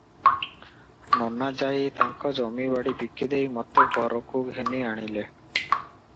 ନନା ଯାଇ ତାଙ୍କ ଜମି ବାଡ଼ି ବିକିଦେଇ ମୋତେ ଘରକୁ ଘେନି ଆସିଲେ ।